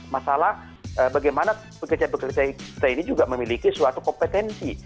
masalah bagaimana pekerja pekerja kita ini juga memiliki suatu kompetensi